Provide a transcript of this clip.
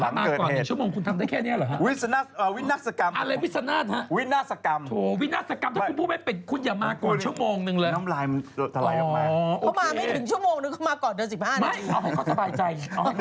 ลองให้เขาสบายใจ